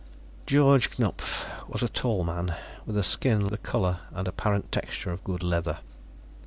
Georg Knupf was a tall man with skin the color and apparent texture of good leather.